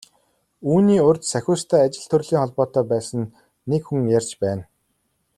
Үүний урьд Сахиустай ажил төрлийн холбоотой байсан нэг хүн ярьж байна.